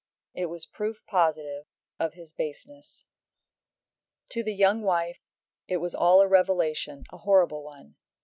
It was proof positive of his baseness. To the young wife it was all a revelation, a horrible one.